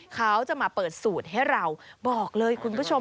เขาจะมาเปิดสูตรให้เราบอกเลยคุณผู้ชม